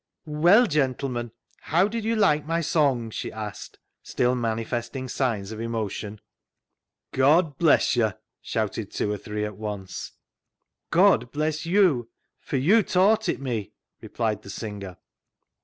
" Well, gentlemen ; how did you like my song ?" she asked, still manifesting signs of emotion. *' God bless yo' !" shouted two or three at once. " God bless you, for you taught it me," replied the singer.